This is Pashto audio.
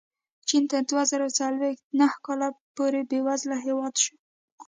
چین تر دوه زره څلوېښت نهه کاله پورې بېوزله هېواد شو.